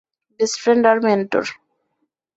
Best friend আর mentor.